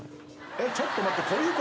えっちょっと待って。